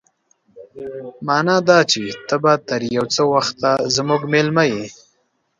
مانا دا چې ته به تر يو څه وخته زموږ مېلمه يې.